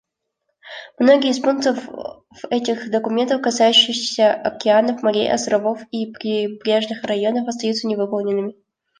Многие из пунктов этих документов, касающиеся океанов, морей, островов и прибрежных районов, остаются невыполненными.